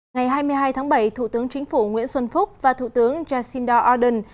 ngày hai mươi hai tháng bảy thủ tướng chính phủ nguyễn xuân phúc và thủ tướng jacinda ardern